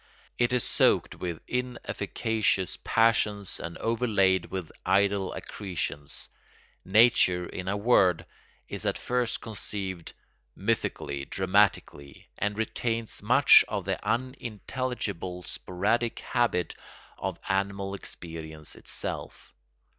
It is soaked with inefficacious passions and overlaid with idle accretions. Nature, in a word, is at first conceived mythically, dramatically, and retains much of the unintelligible, sporadic habit of animal experience itself.